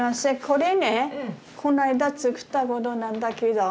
これねこないだ作ったごどなんだけど。